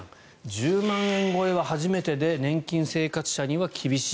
１０万円超えは初めてで年金生活者には厳しい。